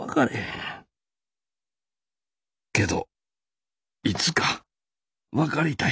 けどいつか分かりたい。